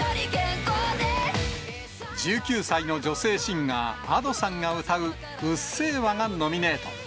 １９歳の女性シンガー、Ａｄｏさんが歌う、うっせぇわがノミネート。